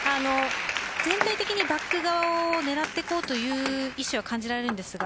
全体的にバック側を狙っていこうという意思は感じられるんですが